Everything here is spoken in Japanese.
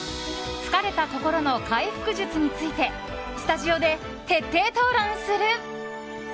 疲れた心の回復術についてスタジオで徹底討論する。